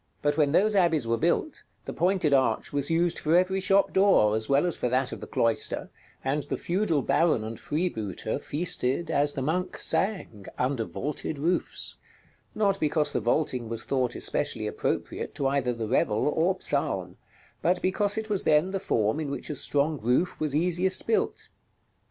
But when those abbeys were built, the pointed arch was used for every shop door, as well as for that of the cloister, and the feudal baron and freebooter feasted, as the monk sang, under vaulted roofs; not because the vaulting was thought especially appropriate to either the revel or psalm, but because it was then the form in which a strong roof was easiest built.